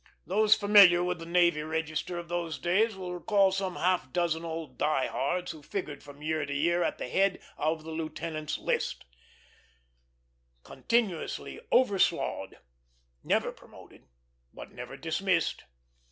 Those familiar with the Navy Register of those days will recall some half dozen old die hards, who figured from year to year at the head of the lieutenant's list; continuously "overslaughed," never promoted, but never dismissed.